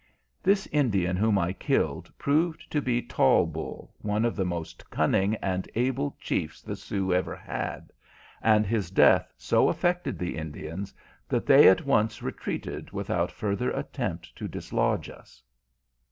This Indian whom I killed proved to be Tall Bull, one of the most cunning and able chiefs the Sioux ever had, and his death so affected the Indians that they at once retreated without further attempt to dislodge us.